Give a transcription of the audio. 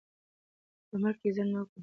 په عمل کې ځنډ مه کوه، ځکه چې وخت بیا نه راځي.